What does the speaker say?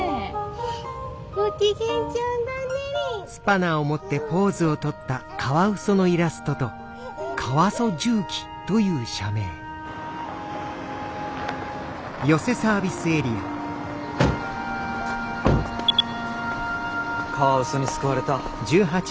ご機嫌ちゃんだね蓮くん。カワウソに救われた。